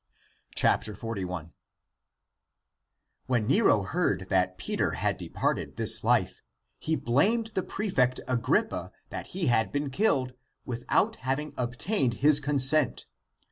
^^*^ 41. (12) When Nero heard that Peter had de parted this life, he blamed the prefect Agrippa that he had been killed, without having obtained his consent.